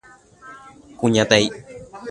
Kuñataĩ.